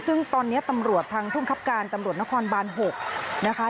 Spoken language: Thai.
ซึ่งตอนนี้ตำรวจทางภูมิครับการตำรวจนครบาน๖นะคะ